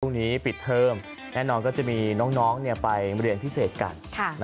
พรุ่งนี้ปิดเทิมแน่นอนก็จะมีน้องไปมือเรียนพิเศษกัน